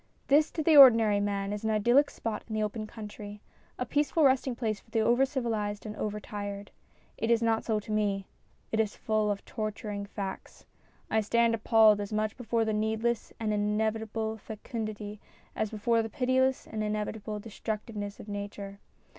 This to the ordinary man is an idyllic spot in the open country a peaceful resting place for the over civilised and over tired. It is not so to me. It is full of torturing facts. I stand appalled as much before the needless and inevitable fecundity as before the pitiless and inevitable destructiveness of nature.